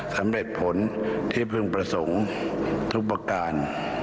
สำเร็จผลที่พึงประสงค์ทุกประการ